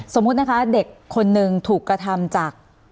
สมมุตินะคะเด็กคนหนึ่งถูกกระทำจาก